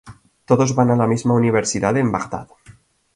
Todos van a la misma universidad en Bagdad.